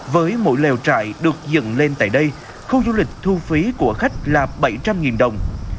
với mỗi lều trại được dựng lên tại đây khu du lịch thu phí của khách là bảy trăm linh đồng